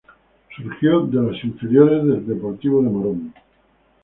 Surgió de las inferiores de Deportivo Morón.